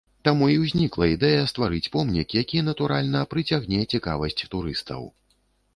Таму і ўзнікла ідэя стварыць помнік, які, натуральна, прыцягне цікавасць турыстаў.